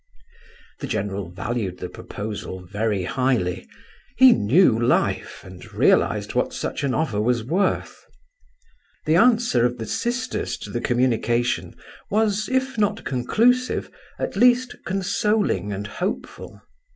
The general valued the proposal very highly. He knew life, and realized what such an offer was worth. The answer of the sisters to the communication was, if not conclusive, at least consoling and hopeful.